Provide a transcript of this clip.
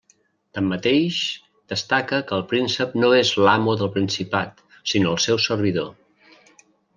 Tanmateix, destaca que el príncep no és l'amo del principat, sinó el seu servidor.